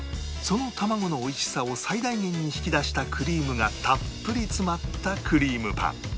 その卵の美味しさを最大限に引き出したクリームがたっぷり詰まったクリームパン